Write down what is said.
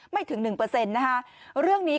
ไม่ถึง๑เรื่องนี้